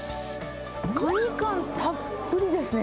カニ感たっぷりですね。